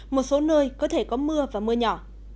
một số nơi có thể có mưa và mưa nhỏ